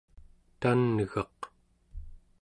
tan'geq